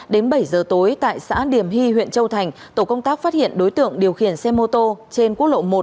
đến bảy giờ tối tại xã điểm hy huyện châu thành tổ công tác phát hiện đối tượng điều khiển xe mô tô trên quốc lộ một